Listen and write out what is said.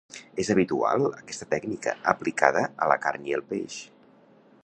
És habitual aquesta tècnica aplicada a la carn i el peix.